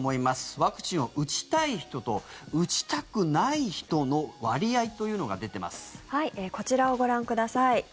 ワクチンを打ちたい人と打ちたくない人のこちらをご覧ください。